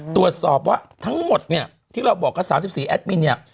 ตรวจสอบว่าทั้งหมดเนี่ยที่เราบอกกัน๓๔แอดมินเนี่ย